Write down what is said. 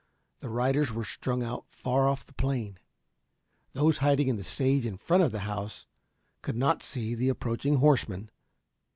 The riders were strung out far off on the plain. Those hiding in the sage in front of the house could not see the approaching horsemen.